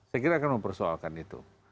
saya kira akan mempersoalkan itu